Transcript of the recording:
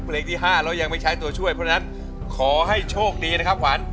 เพลงที่๕แล้วยังไม่ใช้ตัวช่วยเพราะฉะนั้นขอให้โชคดีนะครับขวัญ